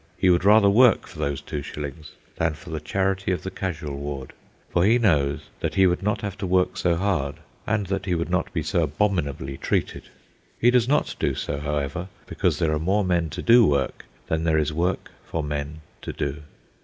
He would rather work for those two shillings than for the charity of the casual ward; for he knows that he would not have to work so hard, and that he would not be so abominably treated. He does not do so, however, because there are more men to do work than there is work for men to do.